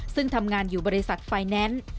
ซึ่งทำงานอยู่บริษัทไฟแนนซ์